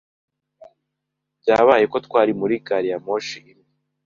Byabaye ko twari muri gari ya moshi imwe.